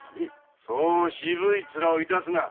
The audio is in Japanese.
そう渋い面致すな。